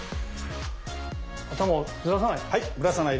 頭をずらさない。